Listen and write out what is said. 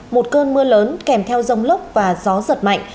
một cơn mưa lớn kèm theo rông lốc và gió giật mạnh